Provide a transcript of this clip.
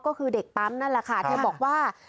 ก็คือเด็กปั๊มนั่นแหละค่ะเธอบอกว่า